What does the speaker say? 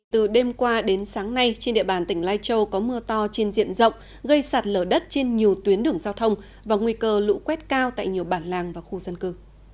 từ đêm qua đến sáng nay trên địa bàn tỉnh lai châu có mưa to trên diện rộng gây sạt lở đất trên nhiều tuyến đường giao thông và nguy cơ lũ quét cao tại nhiều bản làng và khu dân cư